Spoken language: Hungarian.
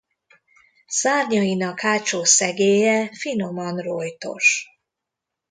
Szárnyainak hátsó szegélye finoman rojtos.